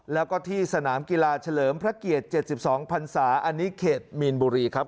แล้วก็ที่สนามกีฬาเฉลิมพระเกียรติ๗๒พันศาอันนี้เขตมีนบุรีครับ